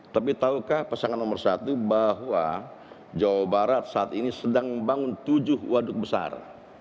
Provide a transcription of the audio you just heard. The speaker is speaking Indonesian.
tapi tahukah pasangan nomor satu bahwa jawa barat saat ini sedang membangun tujuh waduk besar